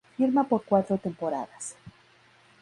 Firma por cuatro temporadas.